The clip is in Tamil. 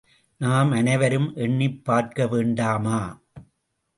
நாம் அனைவரும் எண்ணிப் பார்க்க வேண்டாமா?